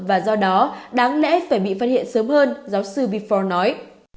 và do đó đáng lẽ phải bị phát hiện sớm hơn giáo sư bifor nói